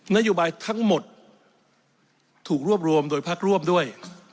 นโยบายทั้งหมดถูกรวบรวมโดยพักร่วมด้วย